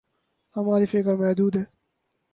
ہماری فکر محدود ہے۔